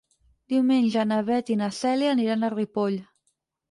Diumenge na Beth i na Cèlia aniran a Ripoll.